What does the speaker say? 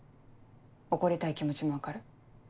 怒りたい気持ちも分かる。